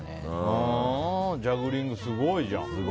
ジャグリング、すごいじゃん。